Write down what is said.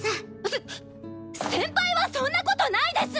せっ先輩はそんなことないです！